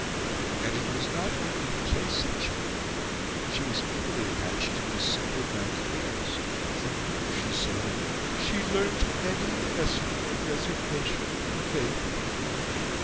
And it was not only the place that she loved; she was equally attached to "the simple mountaineers," from whom, she said, "she learnt many a lesson of resignation and faith."